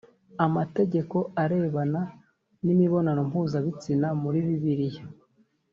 amategeko arebana n imibonano mpuzabitsina muri bibiliya